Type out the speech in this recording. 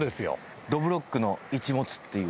『どぶろっくの一物』っていう。